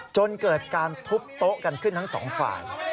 จนเกิดการทุบโต๊ะกันขึ้นทั้งสองฝ่าย